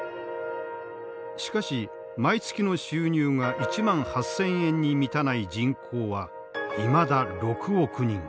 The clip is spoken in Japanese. しかし毎月の収入が１万８，０００円に満たない人口はいまだ６億人。